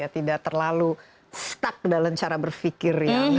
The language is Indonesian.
tidak terlalu stuck dalam cara berpikir ya